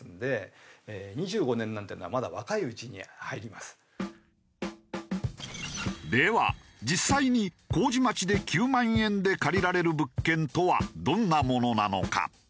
でもでは実際に麹町で９万円で借りられる物件とはどんなものなのか？